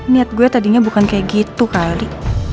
niat gue tadinya bukan kayak gitu kali